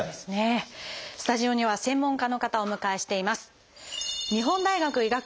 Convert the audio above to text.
スタジオには専門家の方をお迎えしています。